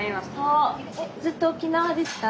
ずっと沖縄ですか？